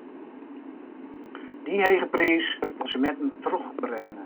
Dy hege priis wurdt oan de konsuminten trochberekkene.